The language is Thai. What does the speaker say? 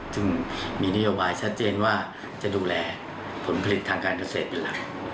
ซึ่งมีนโยบายชัดเจนว่าจะดูแลผลผลิตทางการเกษตรเป็นหลัก